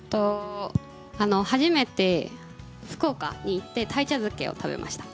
初めて福岡に行って鯛茶漬けを食べました。